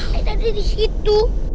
dia tadi di situ